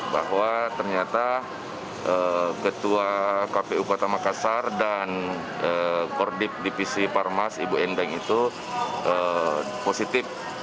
bahwa ternyata ketua kpu kota makassar dan kordip divisi parmas ibu endang itu positif